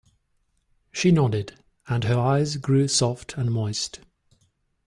She nodded, and her eyes grew soft and moist.